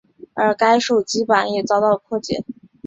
而该手机版也遭到了破解。